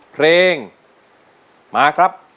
เพลงมาครับ